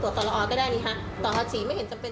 ตรอศรีไม่เห็นจำเป็น